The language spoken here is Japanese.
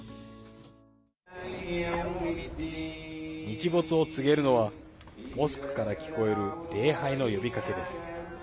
日没を告げるのはモスクから聞こえる礼拝の呼びかけです。